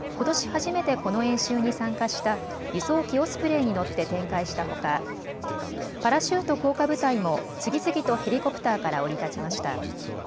初めてこの演習に参加した輸送機オスプレイに乗って展開したほかパラシュート降下部隊も次々とヘリコプターから降り立ちました。